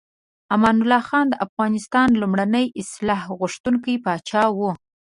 امان الله خان د افغانستان لومړنی اصلاح غوښتونکی پاچا و.